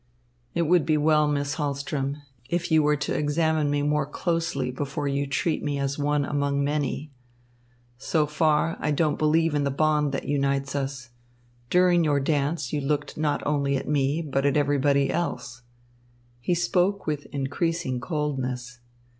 "It would be well, Miss Hahlström, if you were to examine me more closely before you treat me as one among many. So far, I don't believe in the bond that unites us. During your dance you looked not only at me, but at everybody else." He spoke with increasing coldness.